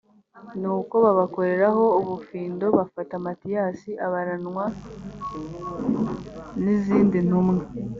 nuko babakoreraho ubufindo bufata matiyasi abaranwa n’izindi ntumwa